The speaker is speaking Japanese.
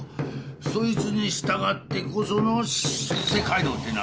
そいつに従ってこその出世街道ってな。